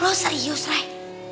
hah lo serius rai